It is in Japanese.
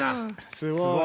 すごい。